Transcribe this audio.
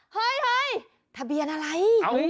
เฮ้ยทะเบียนอะไร